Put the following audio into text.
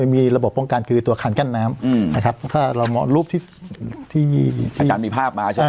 มีระบบป้องกันคือตัวคันกั้นน้ำนะครับถ้าเรามองรูปที่อาจารย์มีภาพมาใช่ไหม